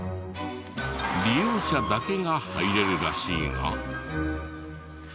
利用者だけが入れるらしいが。